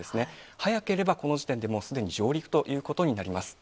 早ければこの時点でもうすでに上陸ということになります。